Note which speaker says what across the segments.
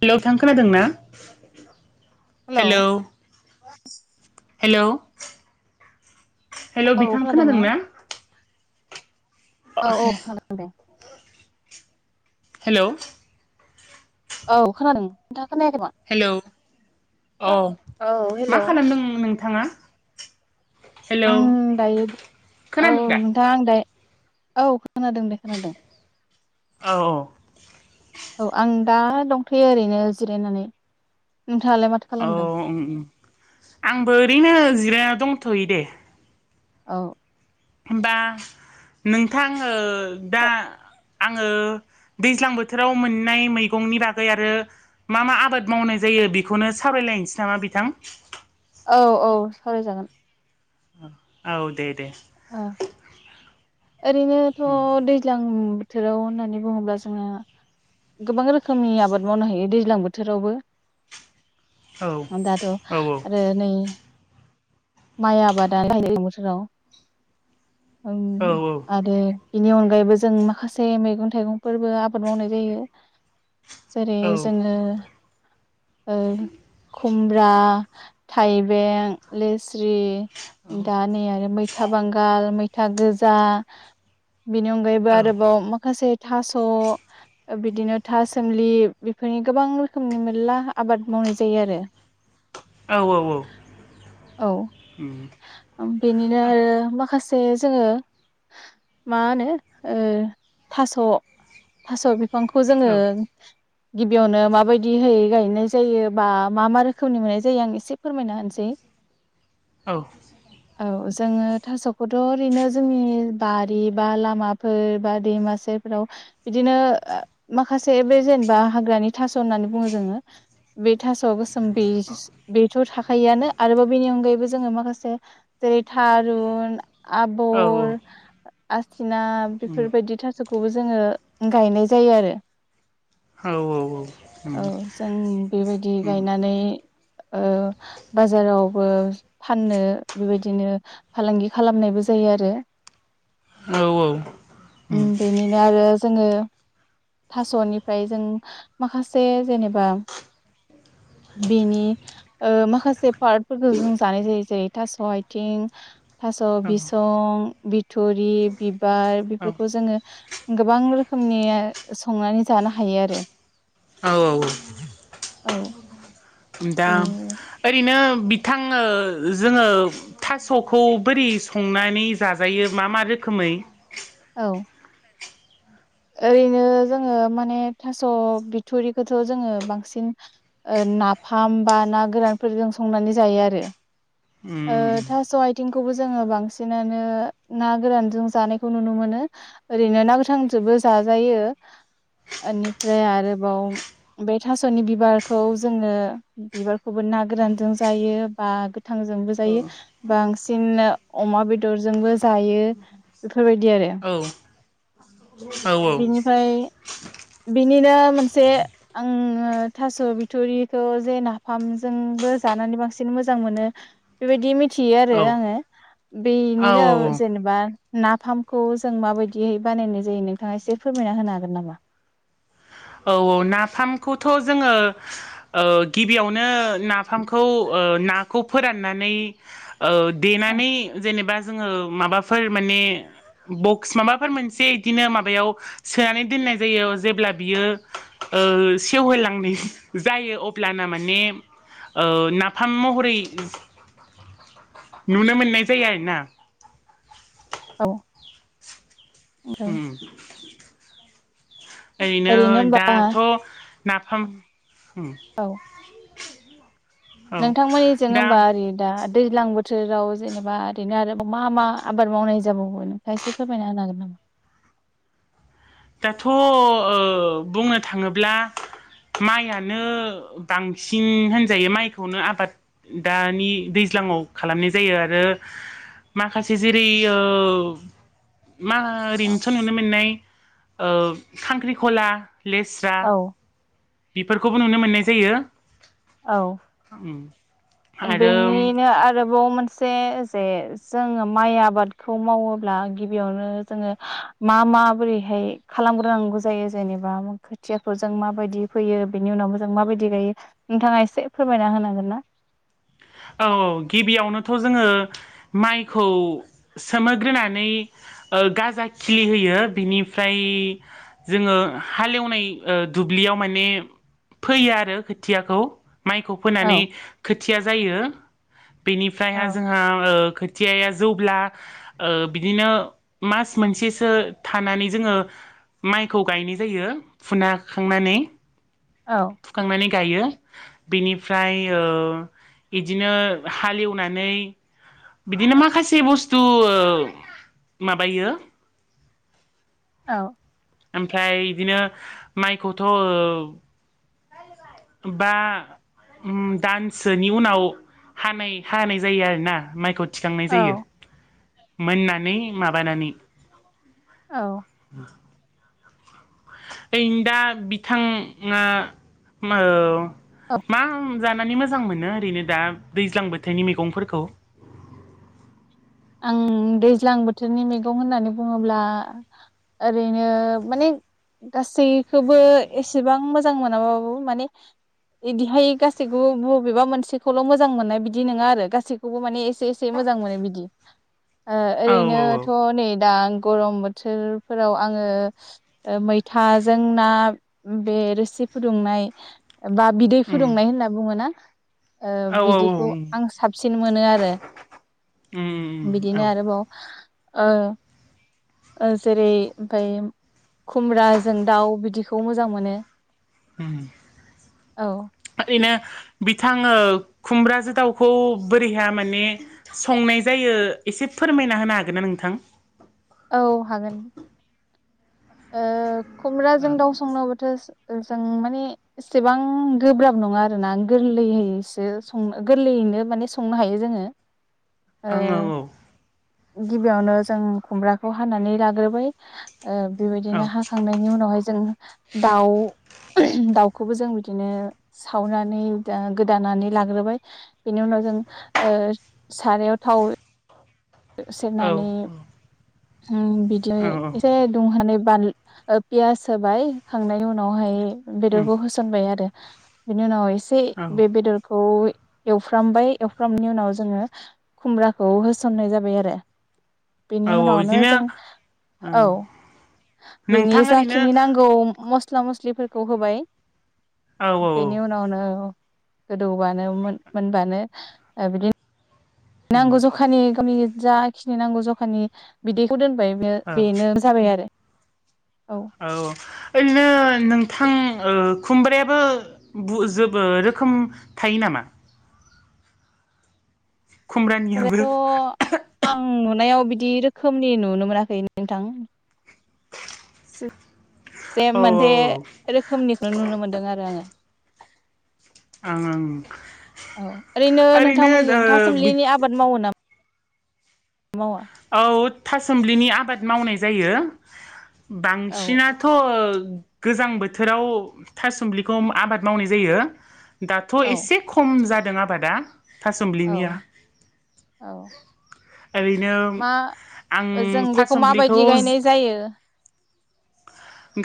Speaker 1: Hello नोंथां खोनादों ना हेलौ हेल' हेल'
Speaker 2: औ
Speaker 1: बिथां खोनादों
Speaker 2: खोनादोंना
Speaker 1: ना?
Speaker 2: औ औ खोनादों
Speaker 1: हेल'
Speaker 2: औ खोनादों नोंथां
Speaker 1: हेलौ औ
Speaker 2: औ हेलौ
Speaker 1: मा खालामदों नोंथाङा? हेलौ
Speaker 2: आं दायो औ
Speaker 1: खोनादों दा?
Speaker 2: नोंथां आं दायो औ खोनादों दे खोनादों
Speaker 1: औ
Speaker 2: औ आं दा दंथ'यो ओरैनो जिरायनानै नोंथाङालाय माथो
Speaker 1: ओ
Speaker 2: खालामदों?
Speaker 1: उम उम ओं आंबो ओरैनो जिराय दंथ'यो दे
Speaker 2: औ
Speaker 1: होमबा नोंथां ओ दा आङो दैज्लां बोथोराव मोननाय मैगंनि बागै आरो मा मा आबाद मावनाय जायो जायो बेखौनो साबायलायनोसै नामा बिथां
Speaker 2: औ औ सावरायजागोन
Speaker 1: औ दे दे
Speaker 2: औ ओरैनोथ' दैज्लां बोथोराव होननानै बुङोब्ला जोङो गोबां रोखोमनि आबाद मावनो हायो दैज्लां बोथोरावबो
Speaker 1: औ
Speaker 2: दाथ'
Speaker 1: औ
Speaker 2: आरो नै माइ आबादानो जायो बोसोराव
Speaker 1: औ
Speaker 2: उम आरो बिनि अनगायैबो जों माखासे मैगं थाइगंफोरबो आबाद मावनाय जायो जेरै
Speaker 1: औ
Speaker 2: जोङो ओ खुमब्रा थाइबें लिस स्रि
Speaker 1: औ
Speaker 2: दा नै आरो मैथा बांगाल मैथा गोजा बेनि अनगायैबो
Speaker 1: औ औ
Speaker 2: आरोबाव माखासे थास' बिदिनो था सोमलि बेफोरनि गोबां रोखोमनि मेरला आबाद मावनाय जायो आरो
Speaker 1: औ औ औ
Speaker 2: औ
Speaker 1: उम
Speaker 2: बेनिनो आरो माखासे जायो जोङो मा होनो ओ थास' थास बिफांखौ जोङो
Speaker 1: औ
Speaker 2: गिबियावनो माबायदिहै गायनाय जायो बा मा मा रोखोमनि मोननाय जायो आं एसे फोरमायना होनसै
Speaker 1: औ
Speaker 2: जोङो थास'खौथ' ओरैनो जोंनि बारि बा लामाफोर बा दैमासेफोराव बिदिनो माखासे बे जेनेबा हाग्रानि थास' होननानै बुङो जोङो बे थास'आव गोसोम बे बेथ' थाखायो आनो आरोबाव बेनि अनगायैबो जोङो माखासे जेरै थारुन
Speaker 1: औ
Speaker 2: आबर थिना
Speaker 1: उम
Speaker 2: बेफोरबायदि थास'खौबो जोङो गायनाय जायो आरो
Speaker 1: औ औ उम
Speaker 2: औ जों बेबायदि
Speaker 1: उम
Speaker 2: गायनानै ओ बाजाराव बो फाननो बेबायदिनो फालांगि खालामनायबो जायो आरो
Speaker 1: औ
Speaker 2: उम बेनिनो आरो जोङो थास'निफ्राय जों माखासे जेनेबा बेनि ओ माखासे पार्ट फोरखौ जों जानाय जायो जेरै थास' आथिं थास'
Speaker 1: औ
Speaker 2: बिसं बिथ'रि बिबार
Speaker 1: औ
Speaker 2: बेफोरखौ जोङो गोबां रोखोमनिया संनानै जानो हायो आरो
Speaker 1: औ औ
Speaker 2: औ
Speaker 1: दा
Speaker 2: बेनो
Speaker 1: ओरैनो बिथां ओ जोङो थास'खौ बोरै संनानै जाजायो मा मा रोखो- खोमै
Speaker 2: औ ओरैनो जोङो माने थास' बिथुरिखौथ' जोङो बांसिन ओ नाफाम बा ना गोरानफोरजों संनानै जायो आरो ऐ
Speaker 1: उम
Speaker 2: थास' आथिंखौबो जोङो बांसिनानो ना गोरानजों जानायखौ नुनो मोनो ओरैनो ना गोथांजोबो जाजायो बेनिफ्राय आरोबाव बे थास'नि बिबारखौ जोङो बिबारखौबो ना गोरानजों जायो बा गोथां जोंबो
Speaker 1: औ
Speaker 2: जायो बांसिन अमा बेदरजोंबो जायो बेफोरबायदि आरो
Speaker 1: औ
Speaker 2: बेनिफ्राय बिनिनो मोनसे आङो थास' बिथुरिखौ जे नाफामजों बो जानानै बांसिन मोजां मोनो बेबायदि मिथियो आरो
Speaker 1: औ
Speaker 2: आङो
Speaker 1: औ
Speaker 2: बेनिनो
Speaker 1: औ
Speaker 2: जेनेबा नाफामखौ जों माबायदियै बानायनाय जायो नों थाङा एसे फोरमायना होनो हागोन नामा
Speaker 1: औ औ नाफामखौथ' जोङो ओ गिबियावनो नाफामखौ नाखौ फोराननानै ओ देनानै जेनेबा जोङो माबाफोर माने बक्स माबाफोर मोनसे बिदिनो माबायाव सोनानै दोननाय जायो जेब्ला बियो ओ सेवहोलांनाय जायो अब्लाना माने ओ नाफाम महरै नुनो मोननाय जायो आरो ना
Speaker 2: औ
Speaker 1: उम ओरैनो दाथ' नाफाम उम
Speaker 2: औ
Speaker 1: औ
Speaker 2: नोंथांमोननिजों
Speaker 1: दा
Speaker 2: होमबा ओरै दा दैज्लां बोथोराव जेनेबा ओरैनो आरो मा मा आबाद मावनाय जाबावो नोंथाङा एसे फोरमायना होनो हागोन नामा
Speaker 1: [unintelligible] दाथ' ओ बुंनो थाङोब्ला माइयानो बांसिन होनजायो माइखौनो आबाद दानि दै ज्लाङाव खालामनाय जायो आरो माखासे जेरै ओ मा
Speaker 2: औ
Speaker 1: ओरैनोथ' नुनो मोननाय ओ खांख्रिखला लेस्रा
Speaker 2: औ
Speaker 1: बेफोरखौबो नुनो मोननाय जायो
Speaker 2: औ
Speaker 1: उम
Speaker 2: बेनिनो आरो गोबाव मोनसे जे जोङो माइ आबादखौ मावोब्ला गिबियावनो जोङो मा माबोरैहाय खालामग्रोनांगौ जायो जेनेबा खोथियाफोरजों माबायदि फैयो बेनि उनावबो जों माबायदि गायो नोंथाङा एसे फोरमायना होनो हागोन ना
Speaker 1: औ औ गिबियावनोथ' जोङो माइखौ सोमोग्रोनानै ओ गाजा खिलि होयो बिनिफ्राय जोङो हालएवना दु- ब्लियाव माने फैयो आरो खोथियाखौ माइखौ फोनानै
Speaker 2: औ
Speaker 1: खोथिया जायो बेनिफ्रायहा
Speaker 2: औ
Speaker 1: जोंहा ओ खोथियाया जौब्ला ओ बिदिनो मास मोनसेसो थानानै जोङो माइखौ गायनाय जायो फुना खांनानै
Speaker 2: औ
Speaker 1: फुखांनानै गायो बिनिफ्राय इदिनो हाल‌िवनानै बिदिनो माखासे बुस्थु माबायो
Speaker 2: औ
Speaker 1: ओमफ्राय बिदिनो माइखौथ बा दानसोनि उनाव हानाय हानाय जायो आरोना माइखौ। थिखांनाय जायो
Speaker 2: औ
Speaker 1: मोननानै माबानानै
Speaker 2: औ।
Speaker 1: ओइ दा बिथाङा ओ।
Speaker 2: औ
Speaker 1: मा आं जानानै मोजां मोनो ओरैनो दा दैज्लां बोथोरनि मैगंफोरखौ [inaudible]
Speaker 2: आं दैज्लां बोथोरनि मैगं होननानै बुङोब्ला ओरैनो माने गासैखोबो एसेबां मोजां मोनाबाबो माने इदिहाय गासैखौबो बबेबा मोनसेखौल मोजां मोननाय बिदि नोङा आरो गासैखौबो माने एसे एसे मोजां मोनो बिदि
Speaker 1: औ औ औ
Speaker 2: ओरैनोथ नै दा गरम बोथोरफोराव आङो मैथाजों ना बे रोसि फुदुंनाय बा बिदै
Speaker 1: उम
Speaker 2: फुदुंनाय होनना बुङो ना।
Speaker 1: औ औ औ
Speaker 2: बिदिखौ
Speaker 1: उम
Speaker 2: आं साबसिन मोनो आरो।
Speaker 1: उम
Speaker 2: बिदिनो
Speaker 1: औ
Speaker 2: आरोबाव ओ। ओ जेरै ओमफाय खुमब्राजों दाउ बिदिखौ मोजां मोनो औ
Speaker 1: ओरैनो बिथाङो खुमब्राजो दावखौ बोरैहा माने संनाय जायो। एसे फोरमायना होनो हागोन ना नोंथां।
Speaker 2: औ हागोन। ओ खुमब्राजों दाउ संनोबाथ जों माने इसेबां गोब्राब नङा आरो ना गोरलैहैसो संनो गोरलैयै नो माने संनो हायो जोङो ओ
Speaker 1: आं औ औ।
Speaker 2: गिबियावनो जों खुमब्राखौ हानानै लाग्रोबाय ओ
Speaker 1: औ
Speaker 2: बेबायदिनो हाखांनायनि उनावहाय जों दाउ दाउखौबो जों बिदिनो सावनानै दा गोदानानै लाग्रोबाय बेनि उनाव जों ओ सारायाव थाव
Speaker 1: औ
Speaker 2: सेरनानै उम
Speaker 1: औ
Speaker 2: बिद्लै
Speaker 1: औ
Speaker 2: एसे दुंहनानै बान पियास होबाय खांनायनि उनावहाय
Speaker 1: उम
Speaker 2: बेदरखौ होसनबाय आरो‌। बिनि उनाव एसे
Speaker 1: औ
Speaker 2: बे बेदरखौ एवफ्रामबाय एवफ्रामनायनि उनाव जोङो खुमब्राखौ होसननाय जाबाय आरो।
Speaker 1: औ
Speaker 2: बेनि उनावनो
Speaker 1: इदिनो
Speaker 2: जों
Speaker 1: ओ
Speaker 2: औ। बेनि
Speaker 1: नोंथां ओरैनो
Speaker 2: जाखिनि नांगौ मस स्ला मस्लिफोरखौ होबाय
Speaker 1: औ
Speaker 2: बेनि उनावनो गोदौबानो मोन मोनबानो बिदिन
Speaker 1: उम
Speaker 2: नांगौ जखानि गावनि जाखिनि नांगौ जखानि बिदैखौ दोन [inaudible]
Speaker 1: ओ
Speaker 2: बेनो जाबाय आरो।
Speaker 1: औ [inaudible] ‌नों थां ओ खुमब्रायाबो बु जोबोद रोखोम थायो नामा? खुमब्रानियाबो
Speaker 2: खुमब्रायाथ' आं आं नुनायाव बिदि रोखोमनि नुनो मोनाखै नोंथां।
Speaker 1: [unintelligible]
Speaker 2: जे मोनसे
Speaker 1: ओं
Speaker 2: रोखोमनिखौनो नुनो मोनदों आरो आङो।
Speaker 1: ओं ओं।
Speaker 2: औ ओरैनो नोंथांमोननिजों
Speaker 1: ओ बि
Speaker 2: थासोमलिनि आबाद मावो नाम?
Speaker 1: औ थासोमब्लिनि आबाद मावनाय जायो।
Speaker 2: औ
Speaker 1: बांसिनाथ' ओ गोजां बोथोराव थासुमब्लिखौ आबाद मावनाय जायो। दाथ'
Speaker 2: औ
Speaker 1: एसे खम जादों आबादा
Speaker 2: औ
Speaker 1: थासुमब्लिनिया।
Speaker 2: औ
Speaker 1: ओरैनो
Speaker 2: मा
Speaker 1: आं
Speaker 2: ओ जों बेखौ
Speaker 1: थासुमलिखौ
Speaker 2: माबायदि गायनाय जायो?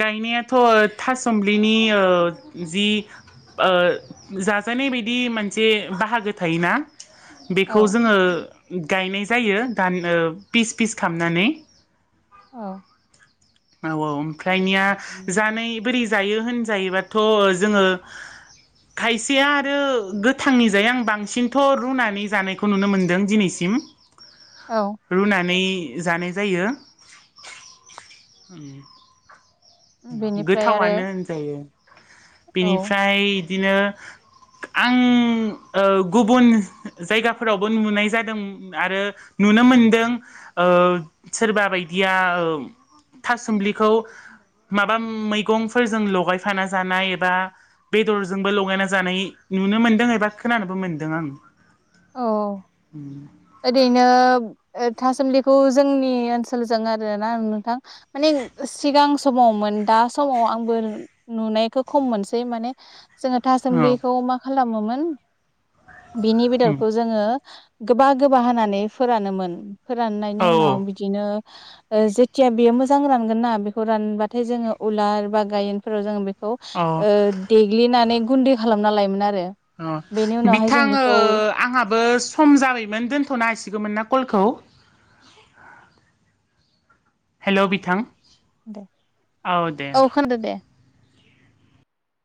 Speaker 1: गायनायाथ' थासुमब्लिनि ओ जि ओ जाजानाय बायदि मोनसे बाहागो थायोना
Speaker 2: औ
Speaker 1: बेखौ जोङो ओ गायनाय जायो दान ओ पिस फिस खामनानै।
Speaker 2: औ
Speaker 1: औ औ ओमफ्रायनिया जानाय बोरै जायो होनजायोबाथ' जोङो खायसेया आरो गोथांनि जाय आं बांसिनथ' रुनानै जानायखौ नुनो मोनदों दिनैसिम।
Speaker 2: औ
Speaker 1: रुनानै इ जानाय जायो।
Speaker 2: बेनिफ्राय आरो
Speaker 1: गोथावानो होनजायो
Speaker 2: औ
Speaker 1: बेनिफ्राय इदिनो आं ओ गुबुन जायगाफोरावबो नुनाय जादों आरो नु नुनो मोनदों ओ सोरबा बायदिया ओ थासुमब्लिखौ माबा मैगंफोरजों लगायफाना जानाय एबा बेदरजोंबो लगायना जानाय नुनो मोनदों एबा खोनानोबो मोनदों आं।
Speaker 2: औ औ ओरैनो ओ थासुमलिखौ जोंनि ओनसोलजों आरोना नोंथां माने सिगां समाव मोन दा समाव आं बोर नुनायखौ खम मोनसै माने जोङो
Speaker 1: औ
Speaker 2: थासुमलिखौ मा खालामोमोन बिनि
Speaker 1: उम
Speaker 2: बेदरखौ जोङो गोबा गोबा हानानै फोरानोमोन फोराननायनि
Speaker 1: औ
Speaker 2: उनाव बिदिनो ओ जेथिया बेयो मोजां रानगोन ना बेखौ रानबाथाय जोङो उलार बा गायेनफोराव जोङो बे खौ
Speaker 1: औ
Speaker 2: ओ देग्लिनानै गुन्दै खालामना लायोमोन आरो।
Speaker 1: अ
Speaker 2: बेनि उनावहाय जों
Speaker 1: बिथाङो
Speaker 2: बेखौ
Speaker 1: आंहा बो सम जाबायमोन दोनथ'नो हसिगौमोन ना कलखौ? हेल' बिथां।
Speaker 2: दे औ खोनादो दे।